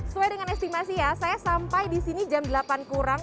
sesuai dengan estimasi ya saya sampai di sini jam delapan kurang